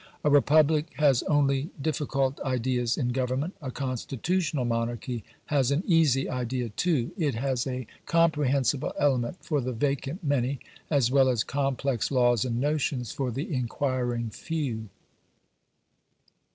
A republic has only difficult ideas in government; a Constitutional Monarchy has an easy idea too; it has a comprehensible element for the vacant many, as well as complex laws and notions for the inquiring few.